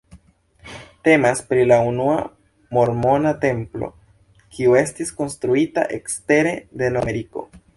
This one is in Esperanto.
Temas pri la unua mormona templo, kiu estis konstruita ekstere de Nordameriko.